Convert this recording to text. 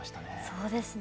そうですね。